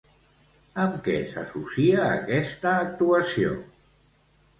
Amb què s'associa aquesta actuació?